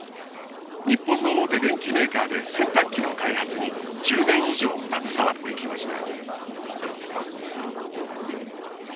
日本の大手電機メーカーで洗濯機の開発に１０年以上携わってきました。